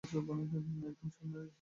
একদম সামনে সি দল।